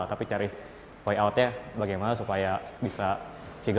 tapi cari point out nya bagaimana supaya bisa figure it out gitu